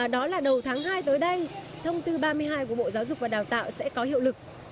đó là đầu tháng hai tới đây thông tư ba mươi hai của bộ giáo dục và đào tạo sẽ có hiệu lực